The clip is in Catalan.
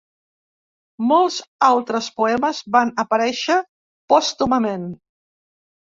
Molts altres poemes van aparèixer pòstumament.